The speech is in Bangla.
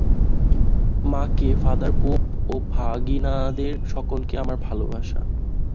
মাকে, ফাদার পোপ ও ভগিনীদের সকলকে আমার ভালবাসা।